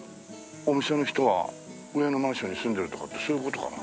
お店の人は上のマンションに住んでるとかってそういう事かな？